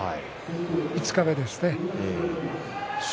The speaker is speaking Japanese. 五日目ですね。